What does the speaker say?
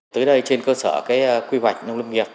tới đây trên cơ sở quy hoạch nông lâm nghiệp